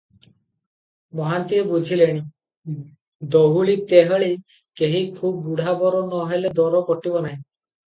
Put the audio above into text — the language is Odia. ମହାନ୍ତିଏ ବୁଝିଲେଣି, ଦୋହୁଳି ତେହଳି କେହି, ଖୁବ୍ ବୁଢା ବର ନ ହେଲେ ଦର ପଟିବ ନାହିଁ ।